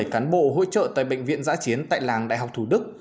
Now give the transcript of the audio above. một mươi bảy cán bộ hỗ trợ tại bệnh viện giã chiến tại làng đại học thủ đức